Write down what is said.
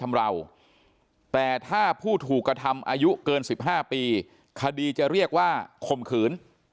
เราแต่ถ้าผู้ถูกกระทำอายุเกิน๑๕ปีคดีจะเรียกว่าข่มขืน